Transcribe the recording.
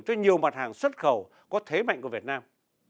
cho nhiều mặt hàng xuất khẩu có thế mạnh của việt nam